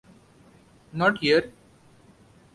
Not here!